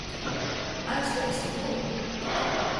Aiztaisit lūgu!